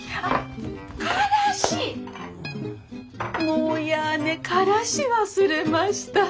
もうやあねからし忘れました。